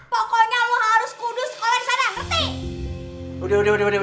pokoknya lo harus kudu sekolah disana ngerti